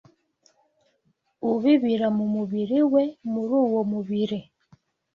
Ubibira mu mubiri we, muri uwo mubiri